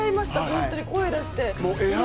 本当に声出して。